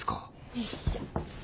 よいしょ。